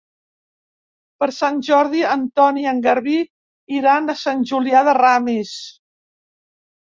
Per Sant Jordi en Ton i en Garbí iran a Sant Julià de Ramis.